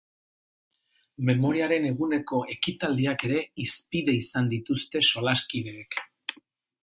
Memoriaren eguneko ekitaldiak ere hizpide izan dituzte solaskideek.